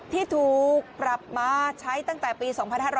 ที่ถูกปรับมาใช้ตั้งแต่ปี๒๕๕๙